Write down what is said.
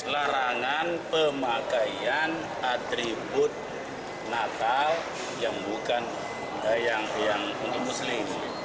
larangan pemakaian atribut natal yang bukan yang untuk muslim